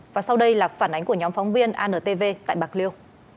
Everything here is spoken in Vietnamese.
và sau đây là phản ánh của nhóm phóng viên antv tại bạc liêu